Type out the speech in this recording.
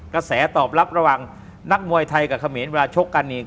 กระแสตอบรับระหว่างนักมวยไทยกับเขมรเวลาชกกันนี่